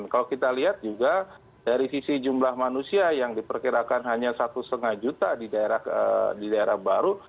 kalau kita lihat juga dari sisi jumlah manusia yang diperkirakan hanya satu lima juta di daerah baru